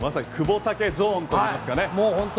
まさに久保ゾーンといいますかね。